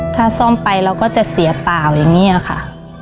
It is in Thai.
ถ้าซ่อมไปเราก็จะเสียเปล่าอย่างนี้ค่ะ